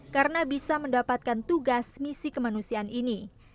karena bisa mendapatkan tugas misi kemanusiaan ini